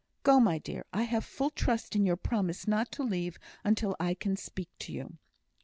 Go, my dear. I have full trust in your promise not to leave until I can speak to you."